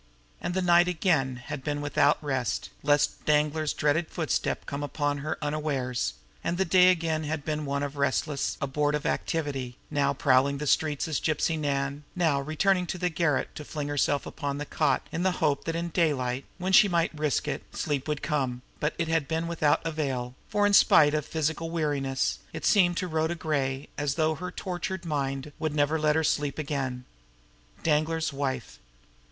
And the night again had been without rest, lest Danglar's dreaded footstep come upon her unawares; and the day again had been one of restless, abortive activity, now prowling the streets as Gypsy Nan, now returning to the garret to fling herself upon the cot in the hope that in daylight, when she might risk it, sleep would come, but it had been without avail, for, in spite of physical weariness, it seemed to Rhoda Gray as though her tortured mind would never let her sleep again. Danglar's wife!